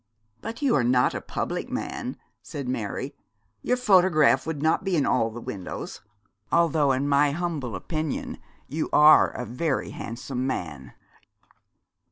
'But you are not a public man,' said Mary. 'Your photograph would not be in all the windows; although, in my humble opinion, you are a very handsome man.'